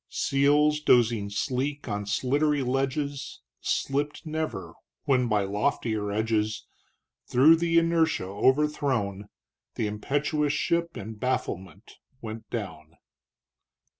Seals, dozing sleek on sliddery ledges Slipt never, when by loftier edges Through the inertia ovrthrown, The impetuous ship in bafflement went down.